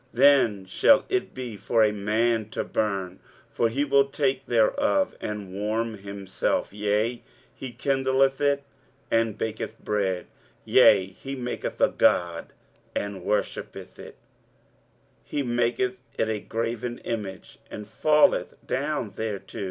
23:044:015 Then shall it be for a man to burn: for he will take thereof, and warm himself; yea, he kindleth it, and baketh bread; yea, he maketh a god, and worshippeth it; he maketh it a graven image, and falleth down thereto.